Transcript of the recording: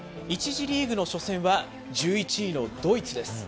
１次リーグの初戦は１１位のドイツです。